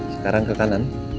sekarang ke kanan